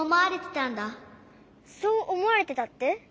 「そうおもわれてた」って？